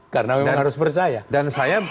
karena memang harus percaya